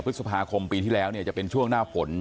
พฤษภาคมปีที่แล้วเนี่ยจะเป็นช่วงหน้าฝน